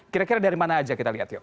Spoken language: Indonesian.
kira kira dari mana aja kita lihat yuk